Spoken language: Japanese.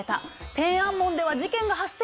天安門では事件が発生。